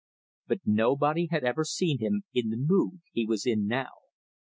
But nobody had ever seen him in the mood he was in now.